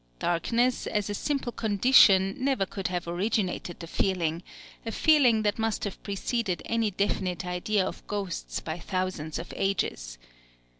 Darkness, as a simple condition, never could have originated the feeling, a feeling that must have preceded any definite idea of ghosts by thousands of ages.